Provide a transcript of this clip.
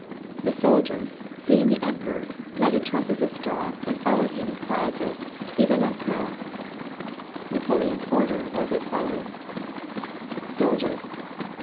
The soldiers seeing the emperor, lighted trusses of straw and followed him with cries of vive Vempereur ! Napoleon's order was as follows, — "Soldiers